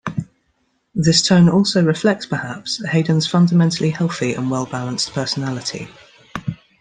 This tone also reflects, perhaps, Haydn's fundamentally healthy and well-balanced personality.